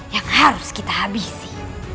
yang harus kita habisi